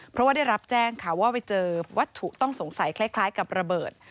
เพราะว่าได้รับแจ้งค่ะว่าไปเจอวัตถุต้องสงสัยคล้ายกับระเบิด